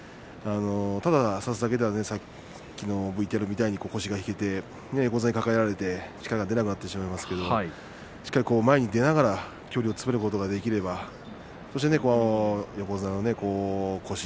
ただ差すだけではさっきのＶＴＲみたいに腰が引けて横綱に抱えられて力が出なくなってしまいますけれどしっかり前に出ながら距離を詰めることができればそして横綱の腰。